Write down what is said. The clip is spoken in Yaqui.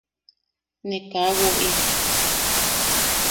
–Ne kaa woʼi.